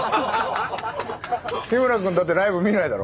日村くんだってライブ見ないだろ？